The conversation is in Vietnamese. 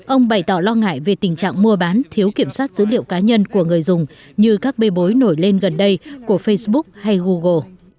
ông bày tỏ lo ngại về tình trạng mua bán thiếu kiểm soát dữ liệu cá nhân của người dùng như các bê bối nổi lên gần đây của facebook hay google